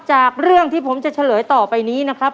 จากเรื่องที่ผมจะเฉลยต่อไปนี้นะครับ